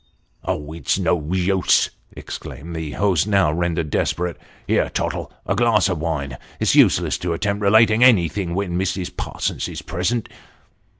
" Oh ! it's no use," exclaimed the host, now rendered desperate. "Here, Tottle; a glass of wine. It's useless to attempt relating anything when Mrs. Parsons is present."